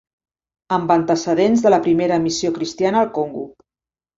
Amb antecedents de la primera missió cristiana al Congo.